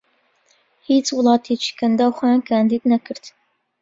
هیچ وڵاتێکی کەنداو خۆیان کاندید نەکرد